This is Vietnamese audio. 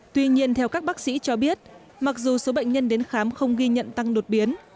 tuy nhiên theo các bác sĩ cho biết mặc dù số bệnh nhân đến khám không ghi nhận tăng đột biến